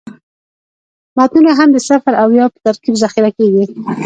متنونه هم د صفر او یو په ترکیب ذخیره کېږي.